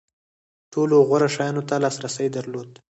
ټولو غوره شیانو ته لاسرسی درلود.